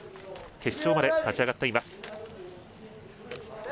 決勝まで勝ち上がっています。